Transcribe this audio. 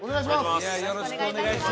よろしくお願いします！